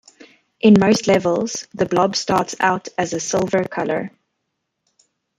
In most levels, the blob starts out as a silver color.